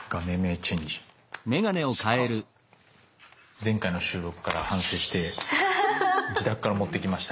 前回の収録から反省して自宅から持ってきました。